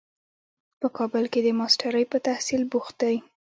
په کابل کې د ماسټرۍ په تحصیل بوخت دی.